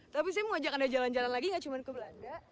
tapi saya mau ajak anda jalan jalan lagi gak cuma ke belanda